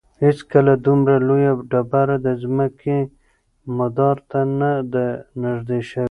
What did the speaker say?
هیڅکله دومره لویه ډبره د ځمکې مدار ته نه ده نږدې شوې.